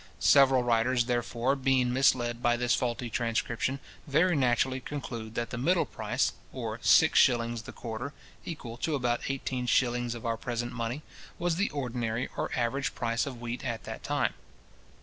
Several writers, therefore, being misled by this faulty transcription, very naturally conclude that the middle price, or six shillings the quarter, equal to about eighteen shillings of our present money, was the ordinary or average price of wheat at that time.